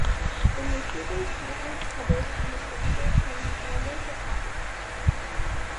The newspaper is currently published and distributed from Monday to Saturday.